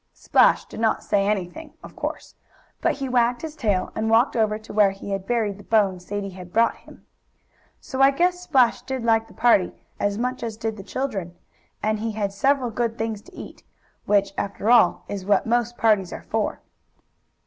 Splash did not say anything, of course. But he wagged his tail, and walked over to where he had buried the bone Sadie had brought him. So I guess Splash did like the party as much as did the children. And he had several good things to eat, which, after all, is what most parties are for.